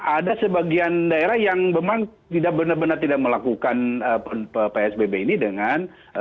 ada sebagian daerah yang memang tidak benar benar tidak melakukan psbb ini dengan